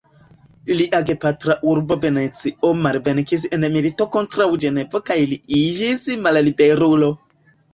Lia gepatra urbo Venecio malvenkis en milito kontraŭ Ĝenovo kaj li iĝis malliberulo.